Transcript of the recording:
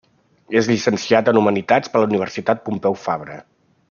És llicenciat en Humanitats per la Universitat Pompeu Fabra.